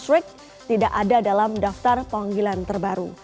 strik tidak ada dalam daftar pemanggilan terbaru